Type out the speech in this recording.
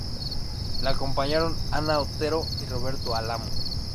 Le acompañaron Ana Otero y Roberto Álamo.